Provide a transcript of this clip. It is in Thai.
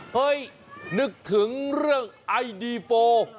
เฮ้ยนึกถึงเรื่องไอดีโฟ